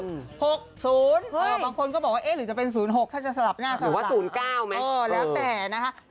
บางคนก็บอกว่าหรือจะเป็น๐๖ถ้าจะสลับหน้าสลับหรือว่า๐๙มั้ย